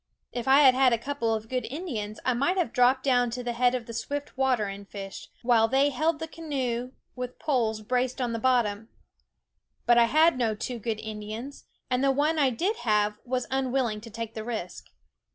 If I had had a couple of good Indians, I might have dropped down to the head of the swift water and fished, while they held the canoe with poles braced on the bottom ; but I had no two good Indians, and the one I did have was unwilling to take the risk.